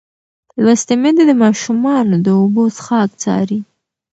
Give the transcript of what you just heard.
لوستې میندې د ماشومانو د اوبو څښاک څاري.